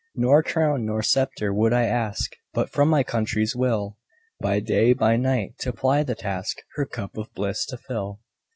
Nor crown nor sceptre would I ask But from my country's will, By day, by night, to ply the task Her cup of bliss to fill.